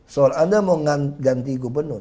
soal anda mau ganti gubernur